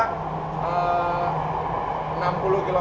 jadi ini kalau tadi itu belum melayani